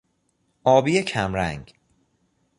آبی کمرنگ